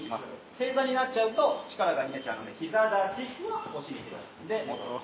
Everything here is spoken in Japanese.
正座になっちゃうと力が逃げちゃうんで膝立ちお尻でで戻る。